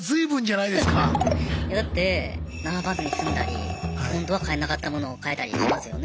いやだって並ばずに済んだり本当は買えなかった物を買えたりしますよね。